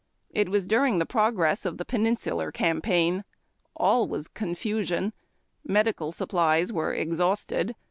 It was during the progress of the Peninsular Campaign. All was confusion. Medical supplies were exhausted.